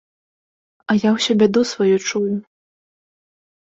А ўсё бяду сваю чую!